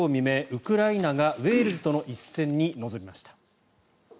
ウクライナがウェールズとの一戦に臨みました。